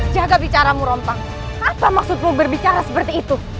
jaga bicaramu rompang apa maksudmu berbicara seperti itu